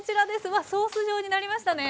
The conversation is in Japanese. わっソース状になりましたね。